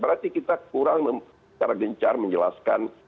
berarti kita kurang secara gencar menjelaskan